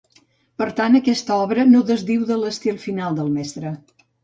Per tant aquesta obra no desdiu de l'estil final del mestre.